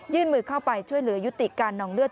มือเข้าไปช่วยเหลือยุติการนองเลือด